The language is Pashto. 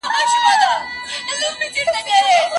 ماهر د ساعت ارزښت نه کموي.